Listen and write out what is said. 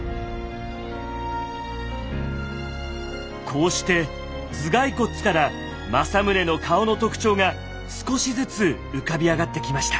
こうして頭蓋骨から政宗の顔の特徴が少しずつ浮かび上がってきました。